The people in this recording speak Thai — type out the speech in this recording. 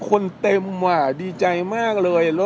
กำลังดีใจมากเลยแล้วกำลังดีใจมากเลยแล้ว